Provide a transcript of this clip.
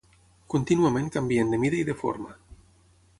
Contínuament canvien de mida i de forma.